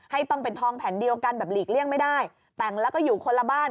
ต้องเป็นทองแผ่นเดียวกันแบบหลีกเลี่ยงไม่ได้แต่งแล้วก็อยู่คนละบ้าน